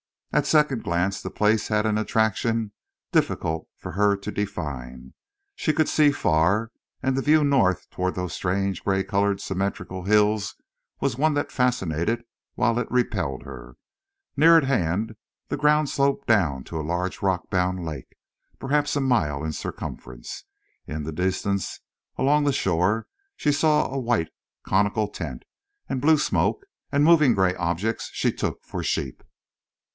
At second glance the place had a certain attraction difficult for her to define. She could see far, and the view north toward those strange gray colored symmetrical hills was one that fascinated while it repelled her. Near at hand the ground sloped down to a large rock bound lake, perhaps a mile in circumference. In the distance, along the shore she saw a white conical tent, and blue smoke, and moving gray objects she took for sheep.